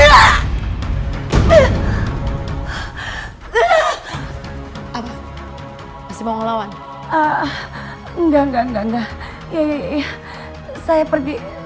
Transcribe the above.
eh rose mama tuh diusir